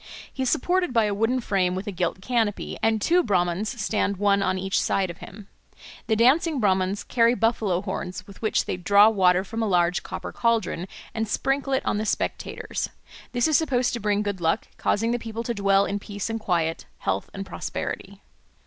He is supported by a wooden frame with a gilt canopy, and two Brahmans stand one on each side of him. The dancing Brahmans carry buffalo horns with which they draw water from a large copper caldron and sprinkle it on the spectators; this is supposed to bring good luck, causing the people to dwell in peace and quiet, health and prosperity.